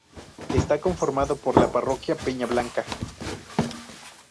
Está conformado por la parroquia Peña Blanca.